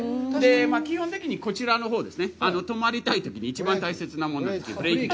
基本的にこちらのほうですね、止まりたいときに一番大切なものブレーキ。